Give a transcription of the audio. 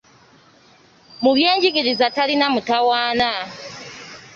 Mu byenjigiriza talina mutawaana.